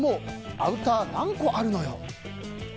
アウター何個あるのよ。